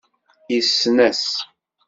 Yessen-as.